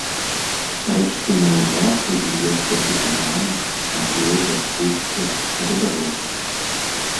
Расце на лугах, узлесках і палянах, аблогах, пустках, каля дарог.